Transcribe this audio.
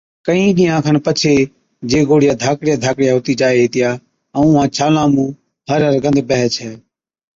ڪهِين ڏِينهان کن پڇي جي گوڙهِيا ڌاڪڙِيا ڌاڪڙِيا هُتِي جائي هِتِيا ائُون اُونهان ڇالان مُون هر هر گند بيهَي ڇَي۔